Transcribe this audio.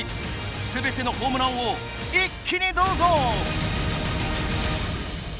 全てのホームランを一気にどうぞ！